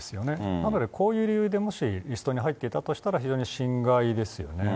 なのでこういう理由でもしリストに入っていたとしたら、非常に心外ですよね。